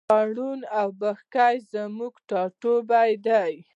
تارڼ اوبښتکۍ زموږ ټاټوبی دی.